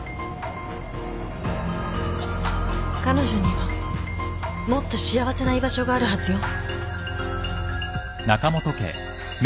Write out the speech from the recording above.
彼女にはもっと幸せな居場所があるはずよ。